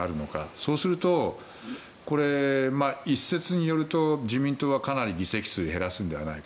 そうするとこれ、一説によると自民党はかなり議席数を減らすんじゃないか。